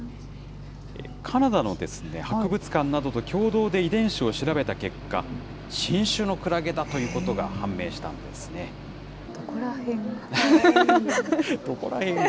カナダの博物館などと共同で遺伝子を調べた結果、新種のクラゲだどこらへんが？